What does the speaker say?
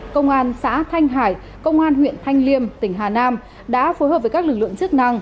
công an xã thanh hải công an huyện thanh liêm tỉnh hà nam đã phối hợp với các lực lượng chức năng